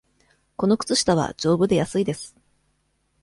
この靴下は、じょうぶで安いです。